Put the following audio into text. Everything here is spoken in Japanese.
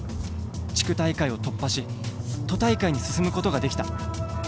地区大会を突破し都大会に進むことができた。